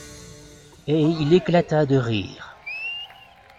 Et il éclata de rire.